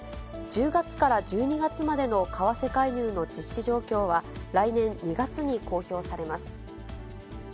１０月から１２月までの為替介入の実施状況は、来年２月に公表されます。